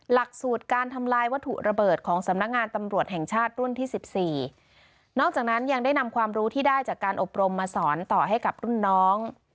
หลักสูตรการทำลายวัตถุระเบิดของสำนักงานตำรวจแห่งชาติรุ่นที่สิบสี่นอกจากนั้นยังได้นำความรู้ที่ได้จากการอบรมมาสอนต่อให้กับรุ่นน้อง